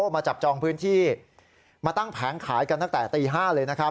มาจับจองพื้นที่มาตั้งแผงขายกันตั้งแต่ตี๕เลยนะครับ